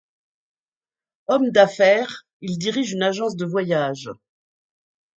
Homme d'affaires, il dirige une agence de voyages.